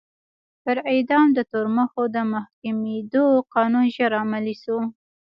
پر اعدام د تورمخو د محکومېدو قانون ژر عملي شو.